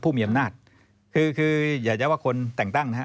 ผู้มีอำนาจคือคืออย่าใช้ว่าคนแต่งตั้งนะฮะ